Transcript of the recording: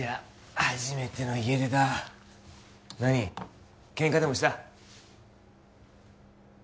初めての家出だ何ケンカでもした？